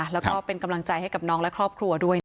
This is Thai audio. แล้วก็เป็นกำลังใจให้กับน้องและครอบครัวด้วย